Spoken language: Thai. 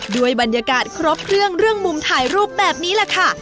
ด้วยบรรยากาศครบเครื่องเรื่องมุมถ่ายรูปแบบนี้แหละค่ะ